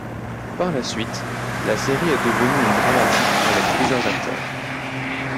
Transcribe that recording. Par la suite, la série est devenue une dramatique avec plusieurs acteurs.